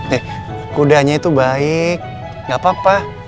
eh kudanya itu baik gak apa apa